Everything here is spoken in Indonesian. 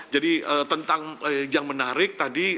jadi tentang yang menarik tadi